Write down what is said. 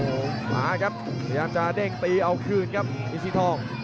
โอ้โหมาครับพยายามจะเด้งตีเอาคืนครับอินซีทอง